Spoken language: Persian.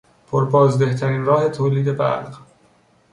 پر بازده ترین راه تولید برق